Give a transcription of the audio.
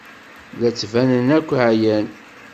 La d-ttbanen akk ɛyan.